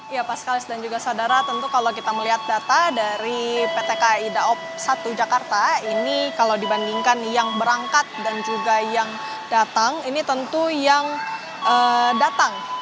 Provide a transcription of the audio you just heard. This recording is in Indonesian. ya pak sekali dan juga saudara tentu kalau kita melihat data dari pt kai daob satu jakarta ini kalau dibandingkan yang berangkat dan juga yang datang ini tentu yang datang